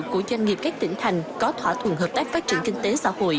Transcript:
của doanh nghiệp các tỉnh thành có thỏa thuận hợp tác phát triển kinh tế xã hội